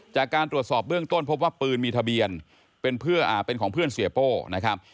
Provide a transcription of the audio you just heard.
จากการตรวจสอบเบื้องต้นพบว่าปืนมีทะเบียนเป็นของเพื่อนเสียโป้นะครับ